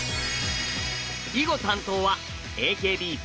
囲碁担当はＡＫＢ４８。